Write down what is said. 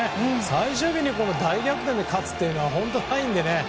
最終日に大逆転で勝つというのは本当にないのでね。